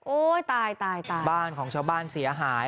ตายตายตายบ้านของชาวบ้านเสียหาย